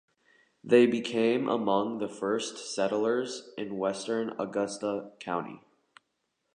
They became among the first settlers in western Augusta County.